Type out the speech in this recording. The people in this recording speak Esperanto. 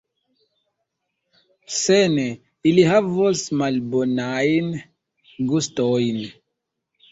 Se ne, ili havos malbonajn gustojn.